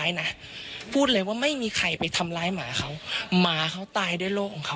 คุณผู้ชมฟังเสียงคุณธนทัศน์เล่ากันหน่อยนะคะ